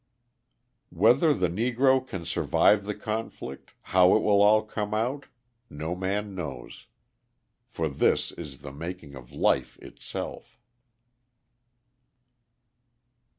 Whether the Negro can survive the conflict, how it will all come out, no man knows. For this is the making of life itself.